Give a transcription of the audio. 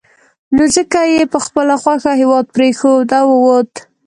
نو ځکه یې په خپله خوښه هېواد پرېښود او ووت.